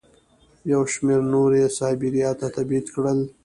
یو شمېر نور یې سایبریا ته تبعید کړل.